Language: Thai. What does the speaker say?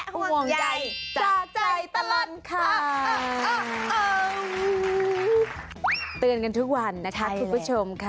อันนี้เตือนกันทุกวันน่ะคุณผู้ชม